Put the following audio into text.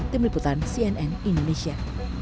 tim liputan cnn indonesia